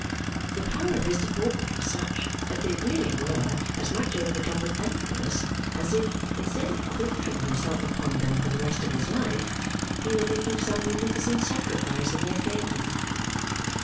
The power of his deportment was such that they really were as much overcome with thankfulness as if, instead of quartering himself upon them for the rest of his life, he were making some munificent sacrifice in their favour.